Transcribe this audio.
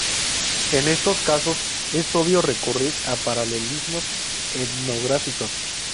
En estos casos es obvio recurrir a paralelismos etnográficos.